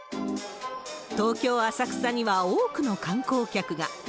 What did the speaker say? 東京・浅草には多くの観光客が。